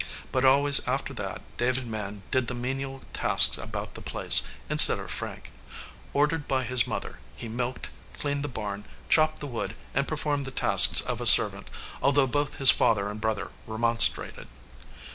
But always after that David Mann did the menial tasks about the place, instead of Frank. Ordered by his mother, he milked, cleaned the barn, chopped wood, and performed the tasks of a servant, although both his father and brother remonstrated.